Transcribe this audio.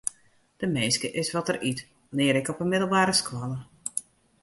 De minske is wat er yt, learde ik op 'e middelbere skoalle.